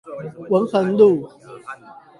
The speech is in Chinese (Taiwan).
文橫路